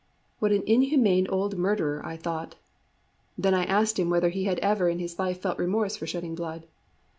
What an inhuman old murderer! I thought. Then I asked him whether he had ever in his life felt remorse for shedding blood.